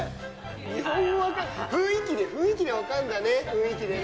日本語分かる、雰囲気で、雰囲気で分かるんだね、雰囲気でね。